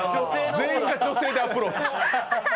全員女性でアプローチ！